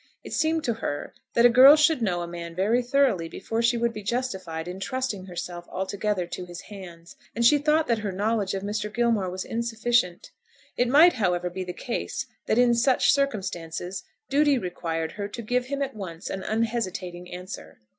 It seemed to her that a girl should know a man very thoroughly before she would be justified in trusting herself altogether to his hands, and she thought that her knowledge of Mr. Gilmore was insufficient. It might however be the case that in such circumstances duty required her to give him at once an unhesitating answer.